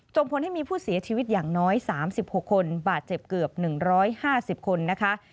ผลให้มีผู้เสียชีวิตอย่างน้อย๓๖คนบาดเจ็บเกือบ๑๕๐คนนะคะ